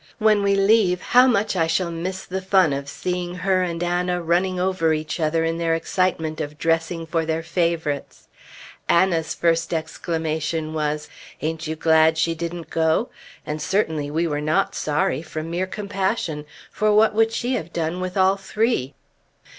When we leave, how much I shall miss the fun of seeing her and Anna running over each other in their excitement of dressing for their favorites. Anna's first exclamation was, "Ain't you glad you didn't go!" and certainly we were not sorry, from mere compassion; for what would she have done with all three?